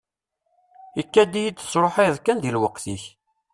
Ikad-iyi-d tesruḥayeḍ kan di lweqt-ik.